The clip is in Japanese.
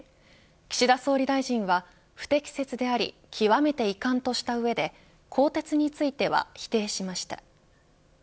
岸田総理大臣は、不適切であり極めて遺憾とした上で更迭については否定しました。